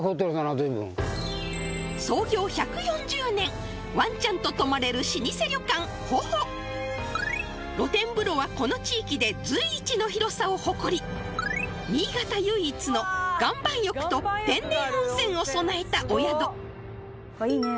ずいぶん創業１４０年ワンちゃんと泊まれる老舗旅館穂々露天風呂はこの地域で随一の広さを誇り新潟唯一の岩盤浴と天然温泉を備えたお宿いいね